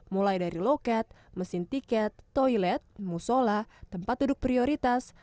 mulai dari loket mesin tiket toilet musola tempat duduk prioritas